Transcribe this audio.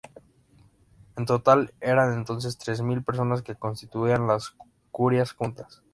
En total eran entonces tres mil personas que constituían las curias juntas.